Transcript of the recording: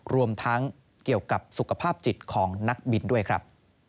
รวมทั้งเกี่ยวกับสุขภาพจิตของนักบินด้วยครับ